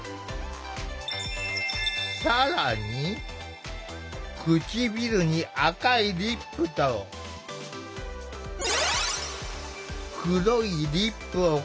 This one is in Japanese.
更に唇に赤いリップと黒いリップを重ねる。